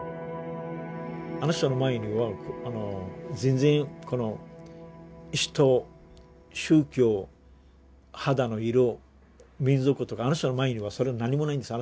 あの人の前には全然この人宗教肌の色民族とかあの人の前にはそれ何もないんです。